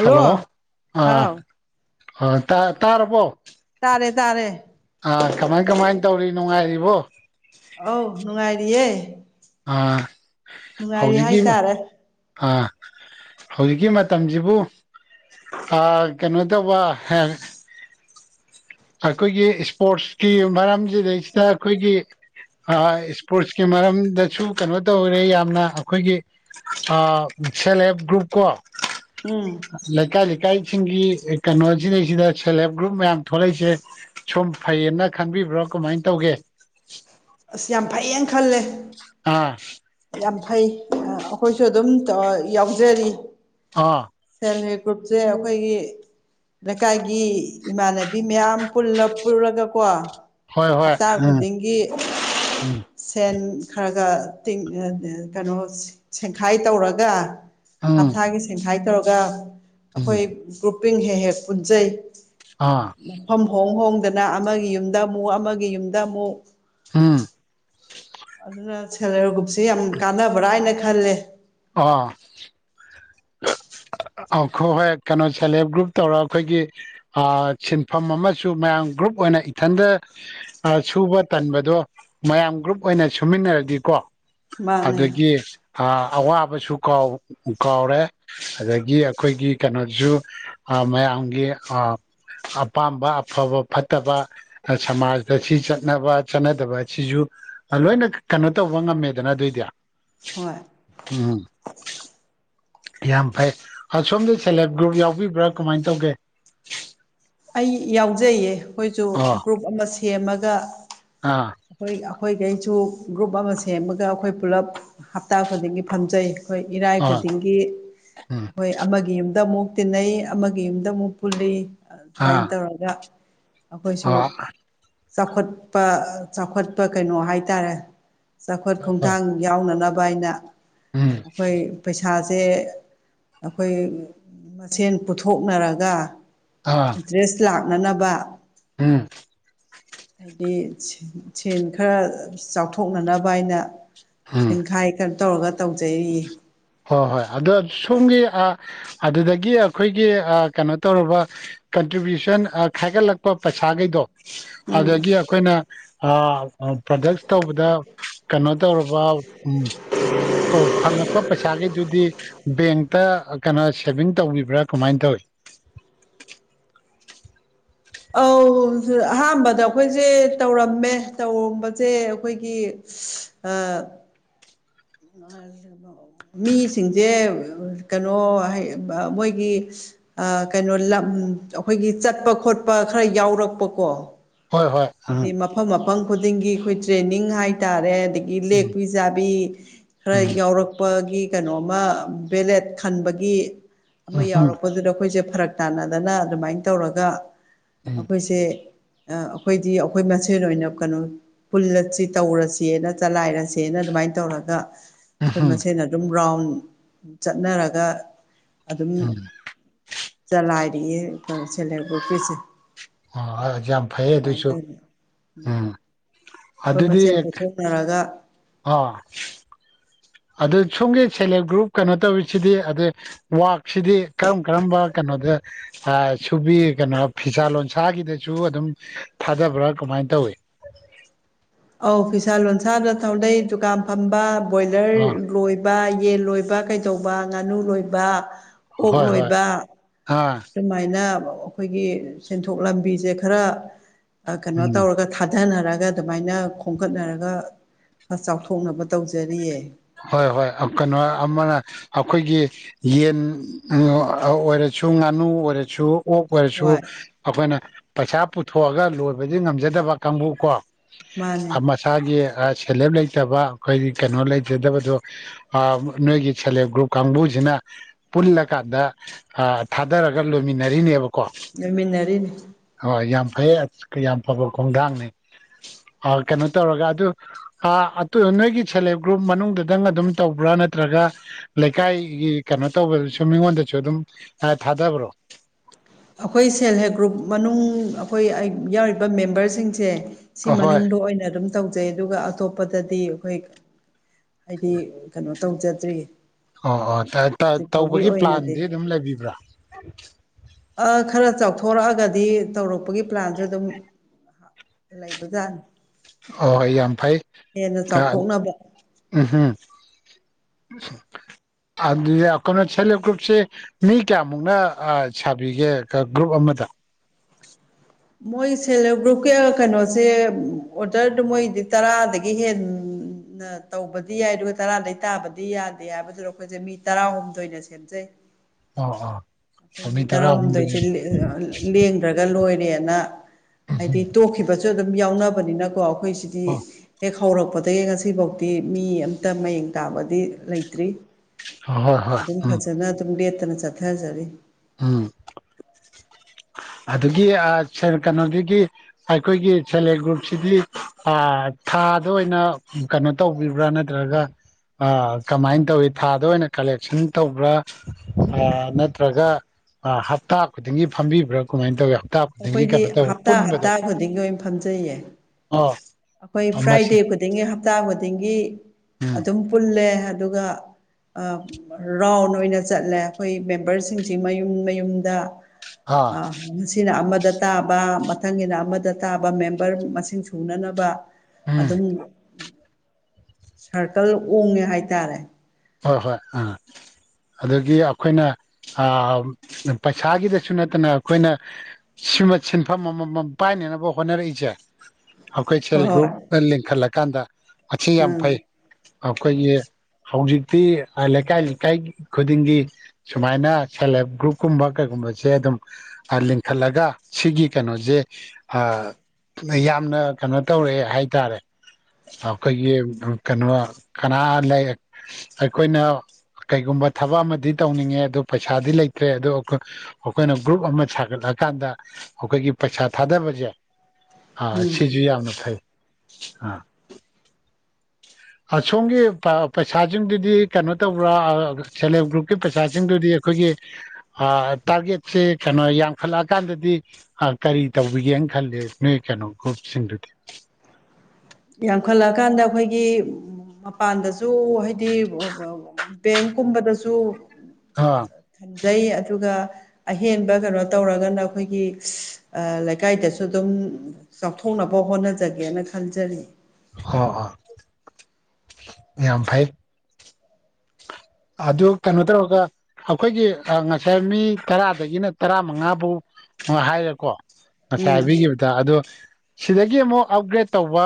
hello ꯑꯥ ꯍꯥꯎ ꯍꯥ ꯇꯥ ꯇꯥꯔꯕꯣ ꯇꯥꯔꯦ ꯇꯥꯔꯦ ꯑꯥ ꯀꯃꯥꯏ ꯀꯃꯥꯏ ꯇꯧꯔꯤ ꯅꯨꯡꯉꯥꯏꯔꯤꯕꯣ ꯑꯧ ꯅꯨꯡꯉꯥꯏꯔꯤꯌꯦ ꯑꯥ ꯅꯨꯡꯉꯥꯏꯔꯤ ꯍꯧꯖꯤꯛꯀꯤ ꯃꯥ ꯍꯥꯏꯇꯥꯔꯦ ꯑꯥ ꯍꯧꯖꯤꯛꯀꯤ ꯃꯇꯝꯁꯤꯕꯨ ꯑꯥ ꯀꯩꯅꯣ ꯇꯧꯕ ꯍꯥ ꯑꯩꯈꯣꯏꯒꯤ ꯏꯁꯄꯣꯔꯠꯁꯀꯤ ꯃꯔꯝꯁꯤꯗꯩꯁꯤꯗ ꯑꯩꯈꯣꯏꯒꯤ ꯑꯥ ꯏꯁꯄꯣꯔꯠꯁꯀꯤ ꯃꯔꯝꯗꯁꯨ ꯀꯩꯅꯣ ꯇꯧꯔꯦ ꯌꯥꯝꯅ ꯑꯩꯈꯣꯏꯒꯤ ꯑꯥ ꯁꯦꯂꯦ ꯒ꯭ꯔꯨꯨꯞ ꯀꯣ ꯎꯝ ꯂꯩꯀꯥꯏ ꯂꯩꯀꯥꯏꯁꯤꯡꯒꯤ ꯀꯩꯅꯣ ꯁꯤꯗꯩꯁꯤꯗ ꯁꯦꯜꯐ ꯍꯦꯜꯞ ꯒ꯭ꯔꯨꯞ ꯃꯌꯥꯝ ꯊꯣꯛꯂꯛꯏꯁꯦ ꯁꯨꯝ ꯐꯩꯌꯦꯅ ꯈꯟꯕꯤꯕ꯭ꯔꯣ ꯀꯃꯥꯏꯅ ꯇꯧꯒꯦ ꯑꯁ ꯌꯥꯝ ꯐꯩꯌꯦꯅ ꯈꯜꯂꯦ ꯑꯥ ꯌꯥꯝ ꯐꯩ ꯑꯩꯈꯣꯏꯁꯨ ꯑꯗꯨꯝ ꯌꯥꯎꯖꯔꯤ ꯑꯥ ꯁꯦꯜꯞ ꯍꯦꯜꯞ ꯒ꯭ꯔꯨꯞꯁꯦ ꯑꯩꯈꯣꯏꯒꯤ ꯂꯩꯀꯥꯏꯒꯤ ꯏꯃꯥꯟꯅꯕꯤ ꯃꯌꯥꯝ ꯄꯨ ꯄꯨꯨꯔꯒꯀꯣ ꯍꯣꯏ ꯍꯣꯏ ꯍꯞꯇꯥ ꯎꯝ ꯈꯨꯗꯤꯡꯒꯤ ꯎꯝ ꯁꯦꯟ ꯈꯔꯒ ꯇꯤꯡ ꯀꯩꯅꯣ ꯁꯦꯡꯈꯥꯏ ꯇꯧꯔꯒ ꯎꯝ ꯍꯞꯊꯥꯒꯤ ꯁꯦꯡꯈꯥꯏ ꯇꯧꯔꯒ ꯎꯝ ꯑꯩꯈꯣꯏ ꯒ꯭ꯔꯨꯞꯄꯤꯡ ꯍꯦꯛ ꯍꯦꯛ ꯄꯨꯟꯖꯩ ꯑꯥ ꯃꯐꯝ ꯍꯣꯡ ꯍꯣꯡꯗꯅ ꯑꯃꯒꯤ ꯌꯨꯝꯗ ꯑꯃꯨꯛ ꯑꯃꯒꯤ ꯌꯨꯝꯗ ꯑꯃꯨꯛ ꯍꯥꯝ ꯑꯗꯨꯅ ꯁꯦꯜꯞ ꯍꯦꯜꯞ ꯒ꯭ꯔꯨꯞꯁꯤꯦ ꯌꯥꯝ ꯀꯥꯟꯅꯕ꯭ꯔꯥ ꯍꯥꯏꯅ ꯈꯜꯂꯦ ꯑꯥ ꯈꯣꯏ ꯍꯣꯏ ꯀꯩꯅꯣ ꯁꯦꯜꯐ ꯍꯦꯜꯞ ꯒ꯭ꯔꯨꯞ ꯇꯧꯔ ꯑꯩꯈꯣꯏꯒꯤ ꯁꯤꯟꯐꯝ ꯑꯃꯁꯨ ꯃꯌꯥꯝ ꯒ꯭ꯔꯨꯞ ꯑꯣꯏꯅ ꯏꯊꯟꯗ ꯁꯨꯕ ꯇꯟꯕꯗꯣ ꯃꯌꯥꯝ ꯒ꯭ꯔꯨꯞ ꯑꯣꯏꯅ ꯁꯨꯃꯤꯟꯅꯔꯒꯀꯣ ꯃꯥꯅꯦ ꯑꯗꯒꯤ ꯑ ꯑꯋꯥꯕꯁꯨ ꯀꯥꯎ ꯀꯥꯎꯔꯦ ꯑꯗꯒꯤ ꯑꯩꯈꯣꯏꯒꯤ ꯀꯩꯅꯣꯁꯨ ꯃꯌꯥꯝꯒꯤ ꯑꯄꯥꯝꯕ ꯑꯐꯕ ꯐꯠꯇꯕ ꯁꯃꯥꯖꯇ ꯑꯁꯤ ꯆꯠꯅꯕ ꯆꯠꯅꯗꯕ ꯑꯁꯤꯁꯨ ꯂꯣꯏꯅ ꯀꯩꯅꯣ ꯇꯧꯕ ꯉꯝꯃꯦꯗꯅ ꯑꯗꯨꯑꯣꯏꯗꯤ ꯍꯣꯏ ꯎꯝ ꯌꯥꯝ ꯐꯩ ꯁꯣꯝꯗ ꯁꯦꯜꯗꯤ ꯍꯦꯜꯞ ꯒ꯭ꯔꯨꯞ ꯌꯥꯎꯕꯤꯕ꯭ꯔꯥ ꯀꯃꯥꯏꯅ ꯇꯧꯒꯦ ꯑꯩ ꯌꯥꯎꯖꯩꯌꯦ ꯑꯩꯈꯣꯏꯁꯨ ꯑꯣ ꯒ꯭ꯔꯨꯞ ꯑꯃ ꯁꯦꯝꯃꯒ ꯑꯥ ꯑꯩꯈꯣꯏ ꯑꯩꯈꯣꯏꯈꯩꯁꯨ ꯒ꯭ꯔꯨꯞ ꯑꯃ ꯁꯦꯝꯃꯒ ꯑꯩꯈꯣꯏ ꯄꯨꯂꯞ ꯍꯞꯇꯥ ꯈꯨꯗꯤꯡꯒꯤ ꯐꯝꯖꯩ ꯑꯩꯈꯣꯏ ꯏꯔꯥꯏ ꯑꯥ ꯈꯨꯗꯤꯡꯒꯤ ꯎꯝ ꯑꯩꯈꯣꯏ ꯑꯃꯒꯤ ꯌꯨꯝꯗ ꯑꯃꯨꯛ ꯇꯤꯟꯅꯩ ꯑꯃꯒꯤ ꯌꯨꯝꯗ ꯑꯃꯨꯛ ꯄꯨꯜꯂꯤ ꯑꯗꯨꯃꯥꯏꯅ ꯑꯥ ꯇꯧꯔꯒ ꯑꯩꯈꯣꯏꯁꯨ ꯑꯥ ꯆꯥꯎꯈꯠꯄ ꯆꯥꯎꯈꯠꯄ ꯀꯩꯅꯣ ꯍꯥꯏꯇꯥꯔꯦ ꯆꯥꯎꯈꯠ ꯍꯣꯏ ꯍꯣꯏ ꯈꯣꯡꯊꯥꯡ ꯌꯥꯎꯅꯅꯕ ꯑꯩꯅ ꯎꯝ ꯑꯩꯈꯣꯏ ꯄꯩꯁꯥꯁꯦ ꯑꯩꯈꯣꯏ ꯃꯁꯦꯟ ꯄꯨꯊꯣꯛꯅꯔꯒ ꯑ ꯗ꯭ꯔꯦꯁ ꯂꯥꯛꯅꯅꯕ ꯎꯝ ꯍꯥꯏꯗꯤ ꯁꯦꯟ ꯈꯔ ꯆꯥꯎꯊꯣꯛꯅꯅꯕ ꯍꯥꯏꯅ ꯎꯝ ꯁꯦꯡꯈꯥꯏ ꯀꯩꯅꯣ ꯇꯧꯔꯒ ꯇꯧꯖꯩꯔꯤꯌꯦ ꯍꯣꯏ ꯍꯣꯏ ꯑꯗꯣ ꯁꯣꯝꯒꯤ ꯑꯗꯨꯗꯒꯤ ꯑꯩꯈꯣꯏꯒꯤ ꯀꯩꯅꯣ ꯇꯧꯔꯕ ꯀꯟꯇ꯭ꯔꯤꯕ꯭ꯌꯨꯁꯟ ꯈꯥꯏꯒꯠꯂꯛꯄ ꯄꯩꯁꯥꯈꯩꯗꯣ ꯎꯝ ꯑꯗꯒꯤ ꯑꯩꯈꯣꯏꯅ ꯄ꯭ꯔꯗꯛꯁ ꯇꯧꯕꯗ ꯀꯩꯅꯣ ꯇꯧꯔꯕ ꯎ ꯑꯣ ꯐꯪꯉꯛꯄꯣ ꯄꯩꯁꯥꯒꯤꯗꯨꯗꯤ ꯕꯦꯡꯇ ꯀꯩꯅꯣ ꯁꯦꯚꯤꯡ ꯇꯧꯕꯤꯕ꯭ꯔꯥ ꯀꯃꯥꯏꯅ ꯇꯧꯏꯤ [inaudible] ꯁꯨ ꯑꯍꯥꯟꯕꯗ ꯑꯩꯈꯣꯏꯁꯦ ꯇꯧꯔꯝꯃꯦ ꯇꯧꯔꯝꯕꯁꯦ ꯑꯩꯈꯣꯏꯒꯤ ꯑ ꯃꯤꯁꯤꯡꯁꯦ ꯀꯩꯅꯣ ꯍꯥꯏꯌꯦꯕ ꯃꯣꯏꯒꯤ ꯑ ꯀꯩꯅꯣ ꯂꯝ ꯑꯩꯈꯣꯏꯒꯤ ꯆꯠꯄ ꯈꯣꯠꯄ ꯈꯔ ꯌꯥꯎꯔꯛꯄꯀꯣ ꯍꯣꯏ ꯍꯣꯏ ꯎꯝ ꯍꯥꯏꯗꯤ ꯃꯐꯝ ꯃꯐꯝ ꯈꯨꯗꯤꯡꯒꯤ ꯑꯩꯈꯣꯏ ꯇ꯭ꯔꯦꯅꯤꯡ ꯍꯥꯏꯇꯥꯔꯦ ꯑꯗꯒꯤ ꯎꯝ ꯂꯦꯛꯄꯤ ꯆꯥꯕꯤ ꯈꯔ ꯎꯝ ꯌꯥꯎꯔꯛꯄꯒꯤ ꯀꯩꯅꯣꯃꯥ ꯕꯦꯂꯦꯠ ꯈꯟꯕꯒꯤ ꯑꯃ ꯎꯝ ꯌꯥꯎꯔꯛꯄꯗꯨꯗ ꯑꯩꯈꯣꯏꯁꯦ ꯐꯔꯛ ꯇꯥꯅꯗꯅ ꯑꯗꯨꯃꯥꯏꯟ ꯇꯧꯔꯒ ꯎꯝ ꯑꯩꯈꯣꯏꯁꯦ ꯑ ꯑꯈꯣꯏꯗꯤ ꯑꯈꯣꯏ ꯃꯁꯦꯟ ꯑꯣꯏꯅ ꯀꯩꯅꯣ ꯄꯨꯜꯂꯁꯤ ꯇꯧꯔꯁꯤꯑꯅ ꯆꯂꯥꯏꯔꯁꯦꯅ ꯑꯗꯨꯃꯥꯏꯟ ꯇꯧꯔꯒ ꯑꯩꯈꯣꯏ ꯎꯝ ꯃꯁꯦꯟ ꯑꯗꯨꯝ ꯔꯥꯎꯟ ꯆꯠꯅꯔꯒ ꯑꯗꯨꯝ ꯎꯝ ꯆꯂꯥꯏꯔꯤꯌꯦ ꯁꯦꯂꯦꯒ꯭ꯔꯨꯞꯀꯤꯁꯦ ꯑꯣ ꯌꯥꯝ ꯐꯩꯌꯦ ꯑꯗꯨꯁꯨ ꯇꯧꯔꯤ ꯎꯝ ꯑꯗꯨꯗꯤ ꯇꯧꯔꯒ ꯍꯣ ꯑꯗꯨꯠ ꯁꯣꯝꯒꯤ ꯁꯦꯜꯐ ꯍꯦꯜꯞ ꯒ꯭ꯔꯨꯞ ꯀꯩꯅꯣ ꯇꯧꯔꯤꯁꯤꯗꯤ ꯑꯗ ꯋꯥꯛꯁꯤꯗꯤ ꯀꯔꯝ ꯀꯔꯝꯕ ꯀꯩꯅꯣꯗ ꯑ ꯁꯨꯕꯤ ꯀꯩꯅꯣ ꯐꯤꯁꯥ ꯂꯣꯟꯁꯥꯒꯤꯗꯁꯨ ꯑꯗꯨꯝ ꯊꯥꯗꯕ꯭ꯔꯥ ꯀꯃꯥꯏꯟ ꯇꯧꯋꯤ ꯑꯧ ꯐꯤꯁꯥ ꯂꯣꯟꯁꯥꯗ ꯊꯧꯗꯩ ꯗꯨꯀꯥꯟ ꯐꯝꯕ ꯕꯣꯏꯂꯔ ꯑꯥ ꯂꯣꯏꯕ ꯌꯦꯟ ꯂꯣꯏꯕ ꯀꯩꯗꯧꯕ ꯉꯥꯅꯨ ꯂꯣꯏꯕ ꯑꯣꯛ ꯍꯣꯏ ꯍꯣꯏ ꯂꯣꯏꯕ ꯍꯥ ꯑꯗꯨꯃꯥꯏꯅ ꯑꯩꯈꯣꯏꯒꯤ ꯁꯦꯟꯊꯣꯛ ꯂꯝꯕꯤꯁꯦ ꯈꯔ ꯑ ꯀꯩꯅꯣ ꯎꯝ ꯇꯧꯔꯒ ꯊꯥꯗꯅꯔꯒ ꯑꯗꯨꯃꯥꯏꯅ ꯈꯣꯝꯒꯠꯅꯔꯒ ꯈꯔ ꯆꯥꯎꯊꯣꯛꯅꯕ ꯇꯧꯖꯔꯤꯌꯦ ꯍꯣꯏ ꯍꯣꯏ ꯑꯝ ꯀꯩꯅꯣ ꯑꯃꯅ ꯑꯈꯣꯏꯒꯤ ꯌꯦꯟ [unintelligible] ꯑꯣꯏꯔꯁꯨ ꯉꯥꯅꯨ ꯑꯣꯏꯔꯁꯨ ꯑꯣꯛ ꯑꯣꯏꯔꯁꯨ ꯍꯣꯏ ꯑꯈꯣꯏꯅ ꯄꯩꯁꯥ ꯄꯨꯊꯣꯛꯑꯒ ꯂꯣꯏꯕꯗꯤ ꯉꯝꯖꯗꯕ ꯀꯥꯡꯕꯨ ꯀꯣ ꯃꯥꯅꯦ ꯏꯁꯥꯒꯤ ꯑ ꯁꯦꯜꯍꯦꯞ ꯂꯩꯇꯕ ꯑꯈꯣꯏꯒꯤ ꯀꯩꯅꯣ ꯂꯩ ꯖꯗꯕꯗꯣ ꯑ ꯅꯣꯏꯒꯤ ꯁꯦꯜꯐ ꯍꯦꯜꯞ ꯒ꯭ꯔꯨꯞ ꯀꯥꯡꯕꯨꯖꯤꯅ ꯄꯨꯜꯂꯀꯥꯟꯗ ꯑ ꯊꯥꯗꯔꯒ ꯂꯣꯏꯃꯤꯟꯅꯔꯤꯅꯦꯕ ꯅꯩꯃꯤꯟꯅꯔꯤꯅꯤ ꯍꯣꯏ ꯌꯥꯝ ꯐꯩ ꯑꯠ ꯌꯥꯝ ꯐꯥꯕ ꯈꯣꯡꯗꯥꯡꯅꯤ ꯑ ꯀꯩꯅꯣ ꯇꯧꯔꯒ ꯑꯗꯨ ꯑ ꯑꯇꯨ ꯅꯣꯏꯒꯤ ꯁꯦꯂꯦꯞ ꯒ꯭ꯔꯨꯞ ꯃꯅꯨꯡꯗꯨꯗꯪ ꯑꯗꯨꯝ ꯇꯧꯕ꯭ꯔꯥ ꯅꯠꯇ꯭ꯔꯒ ꯂꯩꯀꯥꯏꯒꯤ ꯀꯩꯅꯣ ꯇꯧꯕꯗꯨꯁꯨꯝ ꯃꯤꯉꯣꯟꯗꯩꯁꯨ ꯑꯗꯨꯝ ꯑ ꯊꯥꯗꯕ꯭ꯔꯣ ꯑꯈꯣꯏ ꯁꯦꯜꯐ ꯍꯦꯜꯞ ꯒ꯭ꯔꯨꯞ ꯃꯅꯨꯡ ꯑꯈꯣꯏ ꯑꯩ ꯌꯥꯎꯔꯤꯕ ꯃꯦꯝꯕꯔꯁꯤꯡꯁꯦ ꯁꯤ ꯑꯍꯣꯏ ꯃꯅꯨꯡꯗ ꯑꯣꯏꯅ ꯑꯗꯨꯝ ꯇꯧꯖꯩ ꯑꯗꯨꯒ ꯑꯇꯣꯞꯄꯗꯗꯤ ꯑꯩꯈꯣꯏ ꯍꯥꯏꯗꯤ ꯀꯩꯅꯣ ꯇꯧꯖꯗ꯭ꯔꯤ ꯑꯣ ꯍꯣꯏ ꯍꯧꯖꯤꯛ [unintelligible] ꯐꯥꯎꯒꯤ ꯇꯧꯕꯒꯤ ꯑꯣꯏꯅꯗꯤ ꯄ꯭ꯂꯥꯟꯗꯤ ꯑꯗꯨꯝ ꯂꯩꯕꯤꯕ꯭ꯔꯥ ꯑ ꯈꯔ ꯆꯥꯎꯊꯣꯔꯛꯑꯒꯗꯤ ꯇꯧꯔꯛꯄꯒꯤ ꯄ꯭ꯂꯥꯟꯁꯨ ꯑꯗꯨꯝ ꯂꯩꯥꯕꯖꯥꯠꯅꯤ ꯍꯣ ꯍꯣꯏ ꯌꯥꯝ ꯐꯩ ꯆꯥꯎꯊꯣꯛꯅꯕ [unintelligible] ꯑꯗꯨꯗꯤ ꯑ ꯀꯩꯅꯣ ꯁꯦꯜꯐ ꯍꯦꯜꯞ ꯒ꯭ꯔꯨꯞꯁꯦ ꯃꯤ ꯀꯌꯥꯃꯨꯛꯅ ꯑ ꯁꯥꯕꯤꯒꯦ ꯑ ꯒ꯭ꯔꯨꯞ ꯑꯃꯗ ꯃꯣꯏ ꯁꯦꯜꯐ ꯍꯦꯜꯞ ꯒ꯭ꯔꯨꯞꯀꯤ ꯀꯩꯅꯣꯁꯦ ꯑꯣꯗꯔꯗꯨ ꯃꯣꯏꯗꯤ ꯇꯔꯥꯗꯒꯤ ꯍꯦꯟ ꯑ ꯇꯧꯕꯗꯤ ꯌꯥꯏ ꯑꯗꯨꯒ ꯇꯔꯥꯗꯩ ꯇꯥꯕꯗꯤ ꯌꯥꯗꯦ ꯍꯥꯏꯕꯗꯨꯗ ꯑꯈꯣꯏꯖꯦ ꯃꯤ ꯇꯔꯥꯍꯨꯝꯗꯣꯏꯅ ꯁꯦꯝꯖꯩ ꯑꯣ ꯑꯩꯈꯣꯏ ꯑꯣ ꯃꯤ ꯇꯔꯥꯍꯨꯝꯗꯣꯏ ꯇꯔꯥꯍꯨꯝꯗꯣꯏꯁꯦ [unintelligible] ꯂꯦꯡꯗ꯭ꯔꯒ ꯂꯣꯏꯔꯦꯅ ꯍꯥꯏꯗꯤ ꯇꯣꯛꯈꯤꯕꯁꯨ ꯑꯗꯨꯝ ꯌꯥꯎꯅꯕꯅꯤꯅꯀꯣ ꯑꯈꯣꯏꯁꯤꯗꯤ ꯑꯣ ꯍꯦꯛ ꯍꯧꯔꯛꯄꯗꯒꯤ ꯉꯁꯤꯐꯥꯎꯗꯤ ꯃꯤ ꯑꯃꯝꯇ ꯃꯌꯦꯡ ꯇꯥꯕꯗꯤ ꯂꯩꯇ꯭ꯔꯤ ꯍꯣꯏ ꯍꯣꯏ ꯑꯗꯨꯝ ꯎꯝ ꯐꯖꯅ ꯑꯗꯨꯝ ꯂꯦꯞꯇꯅ ꯆꯠꯊꯖꯔꯤ ꯎꯝ ꯑꯗꯨꯒꯤ ꯑꯥ ꯁꯥꯔ ꯀꯩꯅꯣꯗꯨꯒꯤ ꯑꯩꯈꯣꯏꯒꯤ ꯁꯦꯜꯐ ꯍꯦꯜꯞ ꯒ꯭ꯔꯨꯞꯁꯤꯗꯤ ꯊꯥꯗ ꯑꯣꯏꯅ ꯀꯩꯅꯣ ꯇꯧꯕꯤꯕ꯭ꯔꯥ ꯅꯠꯇ꯭ꯔꯒ ꯀꯃꯥꯏꯅ ꯇꯧꯋꯤ ꯊꯥꯗ ꯑꯣꯏꯅ ꯀꯂꯦꯛꯁꯟ ꯇꯧꯕ꯭ꯔꯥ ꯅꯠꯇ꯭ꯔꯒ ꯍꯞꯇꯥ ꯈꯨꯗꯤꯡꯒꯤ ꯐꯝꯕꯤꯕ꯭ꯔꯥ ꯀꯃꯥꯏꯅ ꯇꯧꯏ ꯑꯩꯈꯣꯏꯗꯤ ꯍꯞꯇꯥ ꯍꯞꯇꯥ ꯈꯨꯗꯤꯡꯒꯤ ꯑꯣꯏꯅ ꯐꯝꯖꯩꯌꯦ ꯑꯥ ꯑꯩꯈꯣꯏ ꯐ꯭ꯔꯥꯏꯗꯦ ꯈꯨꯗꯤꯡꯒꯤ ꯍꯞꯇꯥ ꯈꯨꯗꯤꯡꯒꯤ ꯎꯝ ꯑꯗꯨꯝ ꯄꯨꯜꯂꯦ ꯑꯗꯨꯒ ꯔꯥꯎ꯭ꯟ ꯑꯣꯏꯅ ꯆꯠꯂꯦ ꯑꯩꯈꯣꯏ ꯃꯦꯝꯕꯔꯁꯤꯡꯁꯤ ꯃꯌꯨꯝ ꯃꯌꯨꯝꯗ ꯑꯥ ꯉꯅ ꯑꯃꯗ ꯇꯥꯕ ꯃꯊꯪꯒꯤꯅ ꯑꯃꯗ ꯇꯥꯕ ꯃꯦꯝꯕꯔ ꯃꯁꯤꯡ ꯁꯨꯅꯅꯕ ꯕꯥ ꯎꯝ ꯑꯗꯨꯝ ꯁꯥꯔꯀꯜ ꯎꯡꯉꯦ ꯍꯥꯏꯇꯥꯔꯦ ꯍꯣꯏ ꯍꯣꯏ ꯑꯥ ꯑꯗꯒꯤ ꯑꯩꯈꯣꯏꯅ ꯄꯩꯁꯥꯒꯤꯗꯁꯨ ꯅꯠꯇꯅ ꯑꯩꯈꯣꯏꯅ ꯁꯤꯃ ꯁꯤꯟꯐꯝ ꯑꯃꯃꯝ ꯄꯥꯏꯅꯅꯕ ꯍꯣꯠꯅꯔꯛꯏꯁꯦ ꯑꯩꯈꯣꯏ ꯁꯦꯜꯐ ꯍꯣꯏ ꯍꯦꯜꯞ ꯍꯣꯏ ꯒ꯭ꯔꯨꯞꯅ ꯂꯤꯡꯈꯠꯂꯀꯥꯟꯗ ꯃꯁꯤ ꯌꯥꯝ ꯎꯝ ꯐꯩ ꯑꯩꯈꯣꯏꯒꯤ ꯍꯧꯖꯤꯛꯇꯤ ꯂꯩꯀꯥꯏ ꯂꯩꯀꯥꯏ ꯈꯨꯗꯤꯡꯒꯤ ꯁꯨꯃꯥꯏꯅ ꯁꯦꯜꯞ ꯍꯦꯜꯞ ꯒ꯭ꯔꯨꯞꯀꯨꯝꯕ ꯀꯩꯒꯨꯝꯕꯁꯦ ꯑꯗꯨꯝ ꯂꯤꯡꯈꯠꯂꯒ ꯁꯤꯒꯤ ꯀꯩꯅꯣꯁꯦ ꯑꯥ ꯌꯥꯝꯅ ꯀꯩꯅꯣ ꯇꯧꯔꯛ ꯑꯦ ꯍꯥꯏꯇꯥꯔꯦ ꯑꯩꯈꯣꯏꯒꯤ ꯀꯩꯅꯣ ꯀꯅꯥ ꯂꯩ ꯑꯩꯈꯣꯏꯅ ꯀꯩꯒꯨꯝꯕ ꯊꯕꯛ ꯑꯃꯗꯤ ꯇꯧꯅꯤꯡꯉꯦ ꯑꯗꯨ ꯄꯩꯁꯥꯗꯤ ꯂꯩꯇ꯭ꯔꯦ ꯑ ꯑꯩꯈꯣꯏꯅ ꯒ꯭ꯔꯨꯞ ꯑꯃ ꯁꯥꯒꯠꯂꯛꯀꯥꯟꯗ ꯑꯩꯈꯣꯏꯒꯤ ꯄꯩꯁꯥ ꯊꯥꯗꯕꯁꯦ ꯑꯥ ꯎꯝ ꯁꯤꯁꯨ ꯌꯥꯝꯅ ꯐꯩ ꯑꯥ ꯑꯁꯣꯝꯒꯤ ꯄꯩꯁꯥꯁꯤꯡꯗꯨꯗꯤ ꯀꯩꯅꯣ ꯇꯧꯕ꯭ꯔꯥ ꯁꯦꯜꯞ ꯍꯦꯜꯞ ꯒ꯭ꯔꯨꯞꯀꯤ ꯄꯩꯁꯥꯁꯤꯡꯗꯨꯗꯤ ꯑꯩꯈꯣꯏꯒꯤ ꯇꯥꯔꯒꯦꯠꯁꯦ ꯀꯩꯅꯣ ꯌꯥꯝꯈꯠꯂꯛꯑꯀꯥꯟꯗꯗꯤ ꯀꯔꯤ ꯇꯧꯕꯤꯒꯦꯅ ꯈꯜꯂꯦ ꯅꯣꯏ ꯀꯩꯅꯣ ꯒ꯭ꯔꯨꯞꯁꯤꯡꯗꯨꯗꯤ ꯌꯥꯝꯈꯠꯂꯛꯑꯀꯥꯟꯗ ꯑꯩꯈꯣꯏꯒꯤ ꯃꯄꯥꯟꯗꯁꯨ ꯍꯥꯏꯗꯤ ꯕꯦꯡꯀꯨꯝꯕꯗꯁꯨ ꯑꯥ ꯈꯟꯖꯩ ꯑꯗꯨꯒ ꯑꯍꯦꯟꯕ ꯀꯩꯅꯣ ꯇꯧꯔꯒꯅ ꯑꯩꯈꯣꯏꯒꯤ ꯂꯩꯀꯥꯏꯗꯁꯨ ꯑꯗꯨꯝ ꯆꯥꯎꯊꯣꯛꯅꯕ ꯍꯣꯠꯅꯖꯒꯦꯅ ꯈꯟꯖꯔꯤ ꯍꯣ ꯍꯣꯏ ꯌꯥꯝ ꯐꯩ ꯑꯗꯨ ꯀꯩꯅꯣ ꯇꯧꯔꯒ ꯑꯩꯈꯣꯏꯒꯤ ꯉꯁꯥꯏ ꯃꯤ ꯇꯔꯥꯗꯒꯤꯅ ꯇꯔꯥ ꯃꯉꯥꯕꯨ ꯍꯥꯏꯔꯦꯀꯣ ꯉꯁꯥꯏ ꯎꯝ ꯍꯥꯏꯕꯤꯈꯤꯕꯗ ꯑꯗꯣ ꯁꯤꯗꯒꯤ ꯑꯃꯨꯛ ꯑꯞꯒ꯭ꯔꯦꯗ ꯇꯧꯕ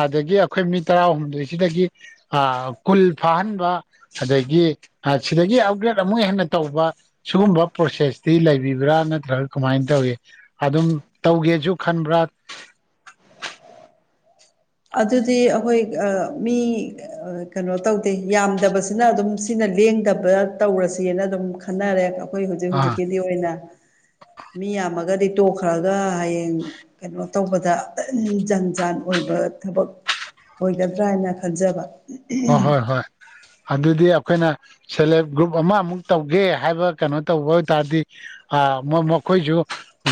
ꯑꯥꯗꯒꯤ ꯑꯩꯈꯣꯏ ꯃꯤ ꯇꯔꯥꯍꯨꯝꯗꯣꯏꯁꯤꯗꯒꯤ ꯀꯨꯜ ꯐꯥꯍꯟꯕ ꯑꯗꯒꯤ ꯁꯤꯗꯒꯤ ꯑꯞꯒ꯭ꯔꯦꯠ ꯑꯃꯨꯛ ꯍꯦꯟꯅ ꯇꯧꯕ ꯁꯤꯒꯨꯝꯕ ꯄ꯭ꯔꯣꯁꯦꯁꯇꯤ ꯂꯩꯕꯤꯕ꯭ꯔꯥ ꯅꯠꯇ꯭ꯔꯒ ꯀꯃꯥꯏꯅ ꯇꯧꯏ ꯑꯗꯨꯝ ꯇꯧꯒꯦꯁꯨ ꯈꯟꯕ꯭ꯔꯥ ꯑꯗꯨꯗꯤ ꯑꯩꯈꯣꯏ ꯃꯤ ꯀꯩꯅꯣ ꯇꯧꯗꯦ ꯌꯥꯝꯗꯕꯁꯤꯅ ꯑꯗꯨꯝ ꯁꯤꯅ ꯂꯦꯡꯗꯕ ꯇꯧꯔꯁꯦꯅ ꯑꯗꯨꯝ ꯈꯟꯅꯔꯦ ꯑꯩꯈꯣꯏ ꯍꯧꯖꯤꯛ ꯑꯥ ꯍꯧꯖꯤꯛꯀꯤꯗꯤ ꯑꯣꯏꯅ ꯃꯤ ꯌꯥꯝꯃꯒꯗꯤ ꯇꯣꯛꯈ꯭ꯔꯒ ꯍꯌꯦꯡ ꯀꯩꯅꯣ ꯇꯧꯕꯗ ꯖꯟ ꯖꯥꯟ ꯑꯣꯏꯕ ꯊꯕꯛ ꯑꯣꯏꯒꯗ꯭ꯔꯥ ꯍꯥꯏꯅ ꯈꯟꯖꯕ ꯍꯣꯏ ꯍꯣꯏ ꯍꯣꯏ ꯑꯗꯨꯗꯤ ꯑꯩꯈꯣꯏꯅ ꯁꯦꯜ ꯍꯦꯜꯞ ꯒ꯭ꯔꯨꯞ ꯑꯃ ꯑꯃꯨꯛ ꯇꯧꯒꯦ ꯍꯥꯏꯕ ꯀꯩꯅꯣ ꯇꯧꯕ ꯑꯣꯏ ꯇꯥꯔꯗꯤ ꯃꯈꯣꯏꯁꯨ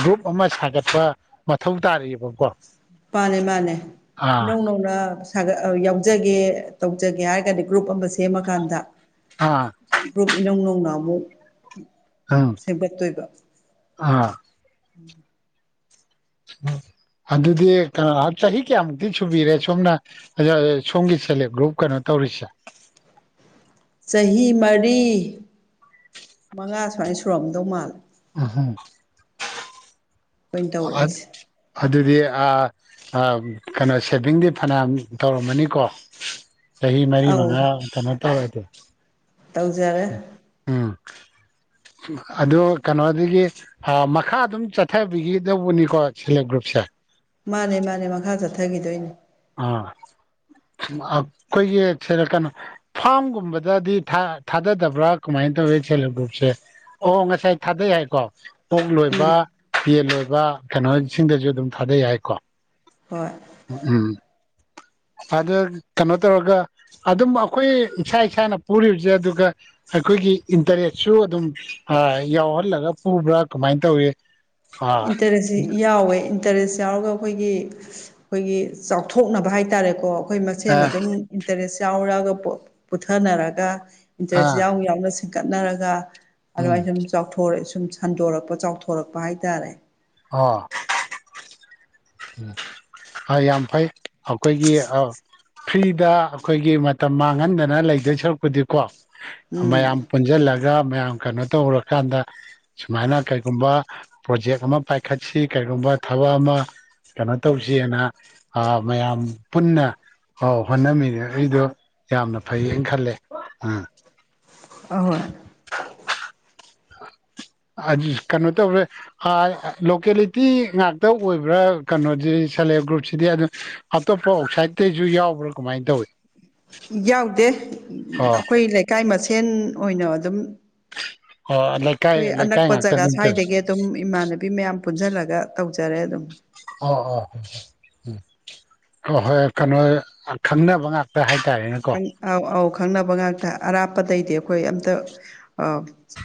ꯒ꯭ꯔꯨꯞ ꯑꯃ ꯁꯥꯒꯠꯄ ꯃꯊꯧ ꯇꯥꯔꯤꯑꯕꯀꯣ ꯄꯅꯦ ꯃꯥꯅꯦ ꯑꯥ ꯏꯅꯧꯅꯧꯅ ꯁꯥꯒ ꯌꯥꯎꯖꯒꯦ ꯇꯧꯖꯒꯦ ꯍꯥꯏꯔꯒꯗꯤ ꯒ꯭ꯔꯨꯞ ꯑꯃ ꯁꯦꯝꯃꯀꯥꯟꯗ ꯑꯥ ꯒ꯭ꯔꯨꯞ ꯏꯅꯧ ꯅꯧꯅ ꯑꯃꯨꯛ ꯎꯝ ꯁꯦꯝꯒꯠꯇꯣꯏꯕ ꯑꯥ ꯎꯝ ꯎ ꯑꯗꯨꯗꯤ ꯀꯩꯅꯣ ꯆꯍꯤ ꯀꯌꯥꯃꯨꯛꯇꯤ ꯁꯨꯕꯤꯔꯦ ꯁꯣꯝꯅ ꯁꯣꯝꯒꯤ ꯁꯦꯜ ꯍꯦꯜꯞ ꯒ꯭ꯔꯨꯞ ꯀꯩꯅꯣ ꯇꯧꯔꯤꯁꯦ ꯆꯍꯤ ꯃꯔꯤ ꯃꯉꯥ ꯁꯨꯃꯥꯏꯅ ꯁꯨꯔꯝꯗꯧ ꯃꯥꯜꯂꯦ ꯎꯝꯍꯨꯝ ꯑꯩꯈꯣꯏꯅ ꯇꯧꯔꯛꯏꯁꯦ [unintelligible] ꯑꯗꯨꯗꯤ ꯑꯥ ꯀꯩꯅꯣ ꯁꯦꯚꯤꯡꯗꯤ ꯐꯅꯌꯥꯝ ꯇꯧꯔꯝꯃꯅꯤꯀꯣ ꯆꯍꯤ ꯃꯔꯤ ꯑꯧ ꯃꯉꯥ ꯀꯩꯅꯣ ꯇꯧꯔꯗꯤ ꯇꯧꯖꯔꯦ ꯎꯝ ꯀꯩꯅꯣꯗꯒꯤ ꯃꯈꯥ ꯑꯗꯨꯝ ꯆꯠꯊꯕꯤꯒꯤ ꯇꯧꯕꯅꯤꯀꯣ ꯁꯦꯜ ꯍꯦꯜꯞ ꯒ꯭ꯔꯨꯞꯁꯦ ꯃꯥꯅꯦ ꯃꯥꯅꯦ ꯃꯈꯥ ꯆꯠꯊꯈꯤꯗꯣꯏꯅꯦ ꯑꯥ ꯑꯩꯈꯣꯏꯒꯤ ꯁꯤꯔ ꯀꯩꯅꯣ ꯐꯥꯝꯒꯨꯝꯕꯗꯗꯤ ꯊꯥꯗꯗꯕ꯭ꯔꯥ ꯀꯃꯥꯏꯅ ꯇꯧꯏ ꯁꯦꯜ ꯍꯦꯜꯞ ꯒ꯭ꯔꯨꯞꯁꯦ ꯑꯣ ꯉꯁꯥꯏ ꯊꯥꯗꯩ ꯍꯥꯏꯀꯣ ꯑꯣꯛ ꯂꯣꯏꯕ ꯎꯝ ꯌꯦꯟ ꯂꯣꯏꯕ ꯀꯩꯅꯣꯁꯤꯡꯗꯁꯨ ꯑꯗꯨꯝ ꯊꯥꯗꯩꯩ ꯍꯥꯏꯀꯣ ꯍꯣꯏ ꯎꯝ ꯎꯝ ꯑꯗ ꯀꯩꯅꯣ ꯇꯧꯔꯒ ꯑꯗꯨꯝ ꯑꯩꯈꯣꯏ ꯏꯁꯥ ꯏꯁꯥꯅ ꯄꯨꯔꯤꯕꯁꯦ ꯑꯗꯨꯒ ꯑꯩꯈꯣꯏꯒꯤ ꯏꯟꯇꯔꯦꯁꯁꯨ ꯑꯗꯨꯝ ꯌꯥꯎꯍꯜꯂꯒ ꯄꯨꯕ꯭ꯔꯥ ꯀꯃꯥꯏꯅ ꯇꯧꯋ ꯏꯟꯇꯔꯦꯟꯁ ꯁꯤ ꯌꯥꯎꯋꯦ ꯏꯟꯇꯔꯦꯁ ꯌꯥꯎꯔꯒ ꯑꯩꯈꯣꯏꯒꯤ ꯑꯩꯈꯣꯏꯒꯤ ꯆꯥꯎꯊꯣꯛꯅꯕ ꯍꯥꯏꯇꯥꯔꯦꯀꯣ ꯑꯩꯈꯣꯏ ꯃꯁꯦꯟ ꯑꯥ ꯑꯗꯨꯝ ꯏꯟꯇꯔꯦꯁ ꯌꯥꯎ ꯌꯥꯎꯒ ꯄꯨꯊꯅꯔꯒ ꯏꯟꯇꯔꯦꯁ ꯑꯥ ꯌꯥꯎꯅ ꯌꯥꯎꯅ ꯀꯠꯅꯔꯒ ꯎꯝ ꯑꯗꯨꯃꯥꯏ ꯁꯨꯝ ꯆꯥꯎꯔꯛ ꯁꯨꯝ ꯁꯟꯗꯣꯔꯛꯄ ꯆꯥꯎꯊꯣꯔꯛꯄ ꯍꯥꯏꯇꯥꯔꯦ ꯑꯥ ꯎꯝ ꯑ ꯌꯥꯝ ꯐꯩ ꯑꯩꯈꯣꯏꯒꯤ ꯑ ꯐ꯭ꯔꯤꯗ ꯑꯩꯈꯣꯏꯒꯤ ꯃꯇꯝ ꯃꯥꯡꯍꯟꯗꯅ ꯂꯩꯗꯣꯏ ꯁꯔꯛꯄꯨꯗꯤꯀꯣ ꯃꯌꯥꯝ ꯎꯝ ꯄꯨꯟꯖꯤꯜꯂꯒ ꯃꯌꯥꯝ ꯀꯩꯅꯣ ꯇꯧꯔꯀꯥꯟꯗ ꯁꯨꯃꯥꯏꯅ ꯀꯔꯤꯒꯨꯝꯕ ꯄ꯭ꯔꯣꯖꯦꯛ ꯑꯃ ꯄꯥꯏꯈꯠꯁꯤ ꯀꯔꯤꯒꯨꯝꯕ ꯊꯕꯛ ꯑꯃ ꯀꯩꯅꯣ ꯇꯧꯁꯦꯅ ꯃꯌꯥꯝ ꯄꯨꯟꯅ ꯑꯣ ꯍꯣꯠꯅꯃꯤꯅꯔꯤꯗꯣ ꯌꯥꯝꯅ ꯐꯩꯌꯦꯅ ꯈꯜꯂꯦ ꯎꯝ ꯑꯍꯣꯏ ꯑꯗꯨ ꯀꯩꯅꯣ ꯇꯧꯔꯦ ꯍꯥꯏ ꯂꯣꯀꯦꯂꯤꯇꯤ ꯉꯥꯛꯇ ꯑꯣꯏꯕ꯭ꯔꯥ ꯀꯩꯅꯣꯖꯤ ꯁꯦꯂ‌ꯦꯜꯞ ꯒ꯭ꯔꯨꯞꯁꯤꯗꯤ ꯑꯗꯨ ꯑꯇꯣꯞꯄ ꯑꯥꯎ ꯁꯥꯏꯠꯇꯁꯨ ꯌꯥꯎꯕ꯭ꯔꯥ ꯀꯃꯥꯏꯅ ꯇꯧꯋꯤ ꯌꯥꯎꯗꯦ ꯑ ꯑꯣ ꯑꯩꯈꯣꯏ ꯂꯩꯀꯥꯏ ꯃꯁꯦꯟ ꯑꯣꯏꯅ ꯑꯗꯨꯝ ꯑꯣ ꯂꯩꯀꯥꯏ ꯂꯩꯀꯥꯏ ꯉꯥꯛꯇ ꯗꯨꯝ ꯇꯧ ꯗꯨꯝ ꯏꯃꯥꯟꯅꯕꯤ ꯃꯌꯥꯝ ꯄꯨꯟꯖꯜꯂꯒ ꯇꯧꯖꯔꯦ ꯑꯗꯨꯝ ꯑꯣ ꯑꯣ ꯑꯣ ꯎꯝ ꯍꯣꯏ ꯍꯣꯏ ꯀꯩꯅꯣ ꯑ ꯈꯪꯅꯕ ꯉꯥꯛꯇ ꯍꯥꯏꯇꯥꯔꯦꯅꯦꯀꯣ ꯑꯥꯎ ꯑꯥꯎ ꯈꯪꯅꯕ ꯉꯥꯛꯇ ꯑꯔꯥꯞꯄꯗꯩꯗꯤ ꯑꯩꯈꯣꯏ ꯑꯝꯇ ꯑꯥꯎ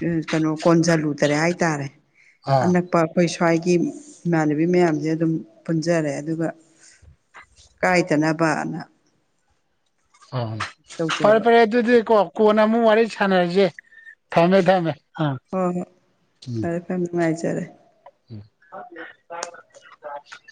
ꯎꯝ ꯀꯩꯅꯣ ꯀꯣꯟꯖꯜꯂꯨꯗꯔꯦ ꯍꯥꯏꯇꯥꯔꯦ ꯑꯥ ꯑꯅꯛꯄ ꯑꯩꯈꯣꯏ ꯁ꯭ꯋꯥꯏꯒꯤ ꯏꯃꯥꯟꯅꯕꯤ ꯃꯌꯥꯝꯖ‌ꯦ ꯑꯗꯨꯝ ꯄꯨꯟꯖꯔꯦ ꯑꯗꯨꯒ ꯀꯥꯏꯗꯅꯕ ꯑꯅ ꯑꯣ ꯐꯔꯦ ꯇꯧꯖꯕ ꯐꯔꯦ ꯑꯗꯨꯗꯤꯀꯣ ꯀꯣꯟꯅ ꯑꯃꯨꯛ ꯋꯥꯔꯤ ꯁꯥꯟꯅꯔꯖꯤ ꯊꯝꯃꯦ ꯊꯝꯃꯦ ꯑꯥ ꯍꯣꯏ ꯍꯣꯏ ꯎꯝ ꯐꯔꯦ ꯐꯔꯦ ꯑꯝ ꯅꯨꯡꯉꯥꯏꯖꯔꯦ ꯎꯝ [unintelligible]